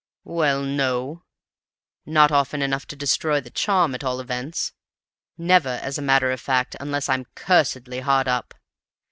"Well no! Not often enough to destroy the charm, at all events; never, as a matter of fact, unless I'm cursedly hard up.